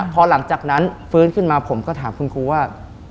พอหลังจากนั้นฟื้นขึ้นมาผมก็ถามคุณครูว่า